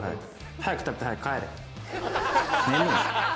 早く食べて早く帰れ。